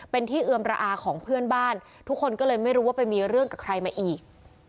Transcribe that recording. เป็นที่เอือมระอาของเพื่อนบ้านทุกคนก็เลยไม่รู้ว่าไปมีเรื่องกับใครมาอีก